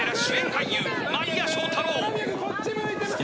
俳優間宮祥太朗！